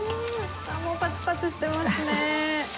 もうパチパチしてますね。